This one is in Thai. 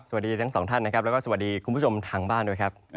สวัสดีทั้งสองท่านนะครับแล้วก็สวัสดีคุณผู้ชมทางบ้านด้วยครับ